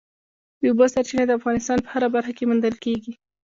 د اوبو سرچینې د افغانستان په هره برخه کې موندل کېږي.